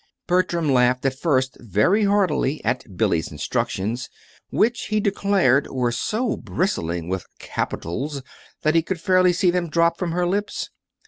Bertram laughed at first very heartily at Billy's instructions, which, he declared, were so bristling with capitals that he could fairly see them drop from her lips.